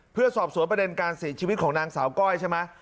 เพื่อสอบสวนประเด็นการเสียชีวิตของนางสาวก้อยใช่ไหม